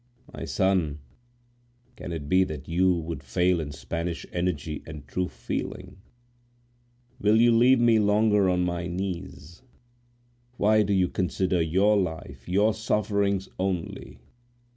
"My son, can it be that you would fail in Spanish energy and true feeling? Will you leave me longer on my knees? Why do you consider your life, your sufferings only?